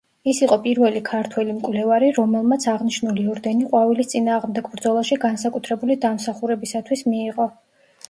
ის იყო პირველი ქართველი მკვლევარი, რომელმაც აღნიშნული ორდენი ყვავილის წინააღმდეგ ბრძოლაში განსაკუთრებული დამსახურებისათვის მიიღო.